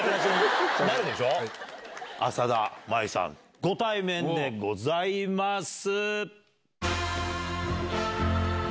浅田舞さんご対面でございます。